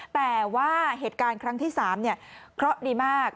แต่ว่าเหตุการณ์ครั้งที่สามเนี่ยเค้าดีมาก